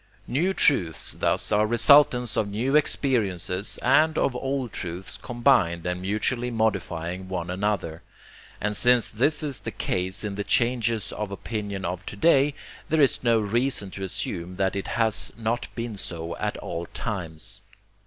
New truths thus are resultants of new experiences and of old truths combined and mutually modifying one another. And since this is the case in the changes of opinion of to day, there is no reason to assume that it has not been so at all times.